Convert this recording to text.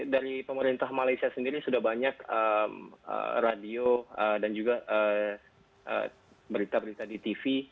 dari pemerintah malaysia sendiri sudah banyak radio dan juga berita berita di tv